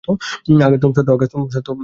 - agar তুম সাথ হো........